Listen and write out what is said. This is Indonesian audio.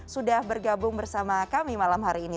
sudah bergabung bersama kami malam hari ini